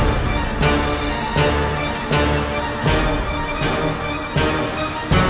ini memilih sistem kurikulumannya